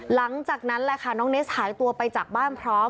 หลังจากนั้นแหละค่ะน้องเนสหายตัวไปจากบ้านพร้อม